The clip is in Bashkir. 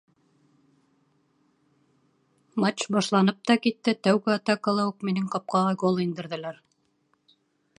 Матч башланып та китте, тәүге атакала уҡ минең ҡапҡаға гол индерҙеләр.